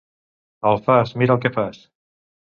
Alfàs, mira el que fas.